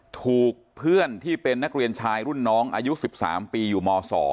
ถูกเพื่อนที่เป็นนักเรียนชายรุ่นน้องอายุ๑๓ปีอยู่ม๒